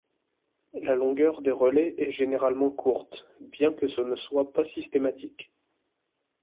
La longueur des relais est généralement courte, bien que ce ne soit pas systématique.